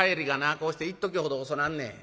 こうしていっときほど遅なんねん。